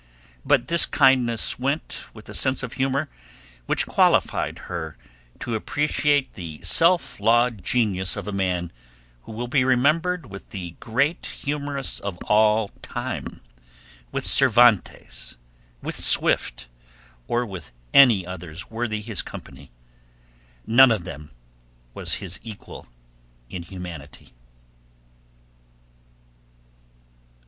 But this kindness went with a sense of humor which qualified her to appreciate the self lawed genius of a man who will be remembered with the great humorists of all time, with Cervantes, with Swift, or with any others worthy his company; none of them was his equal in humanity.